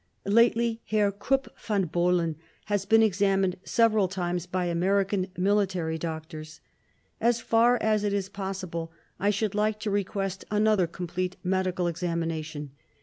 Lately Herr Krupp von Bohlen has been examined several times by American military doctors. As far as it is possible I should like to request another complete medical examination.